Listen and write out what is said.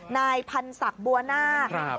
นายพันศักดิ์บัวน่าครับ